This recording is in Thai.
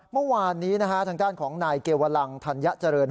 เมื่อวานนี้นะฮะทางด้านของนายเกวลังธัญเจริญ